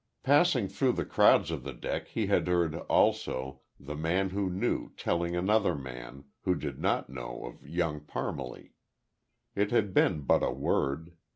Passing through the crowds of the deck, he had heard, also, The Man Who Knew telling another man, who did not know of Young Parmalee. It had been but a word.